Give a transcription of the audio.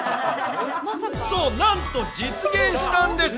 そう、なんと、実現したんです。